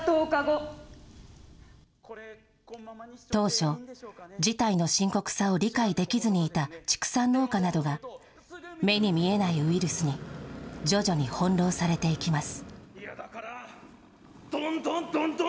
当初、事態の深刻さを理解できずにいた畜産農家などが、目に見えないウイルスに徐々に翻弄されていきます。